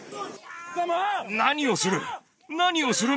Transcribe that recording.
何をする！